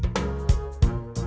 saat melakukannya abis tuangan nyara